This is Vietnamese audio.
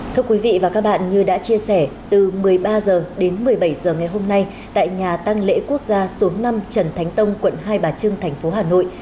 thưa quý vị và các bạn như đã chia sẻ từ một mươi ba h đến một mươi bảy h ngày hôm nay tại nhà tăng lễ quốc gia số năm trần thánh tông quận hai bà trưng thành phố hà nội